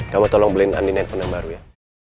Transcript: kamu tolong beliin andin handphone yang baru ya